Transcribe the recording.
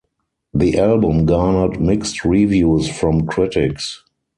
The album garnered mixed reviews from critics.